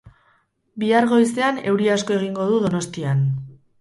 Bihar goizean euri asko egingo du Donostian